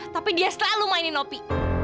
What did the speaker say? tapi dia selalu mainin nopi